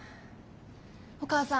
お母さん。